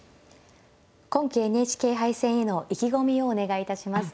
今期ＮＨＫ杯戦への意気込みをお願いいたします。